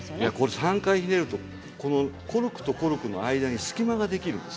３回ひねるとコルクとコルクの間に隙間ができるんです。